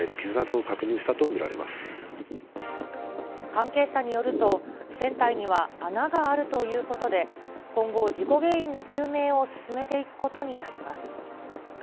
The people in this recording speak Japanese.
関係者によると、船体には穴があるということで、今後、事故原因の究明を進めていくことになります。